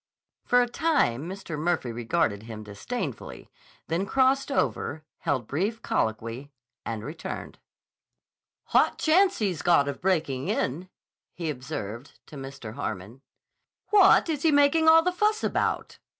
For a time Mr. Murphy regarded him disdainfully, then crossed over, held brief colloquy, and returned. "Hot chance he's got of breaking in," he observed to Mr. Harmon. "What is he making all the fuss about?"